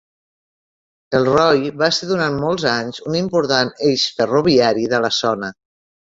Elroy va ser durant molts anys un important eix ferroviari de la zona.